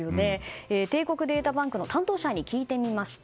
帝国データバンクの担当者に聞いてみました。